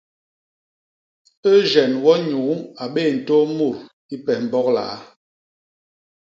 Éugéné Wonyuu a bé ntôô mut i pes Mbok Liaa.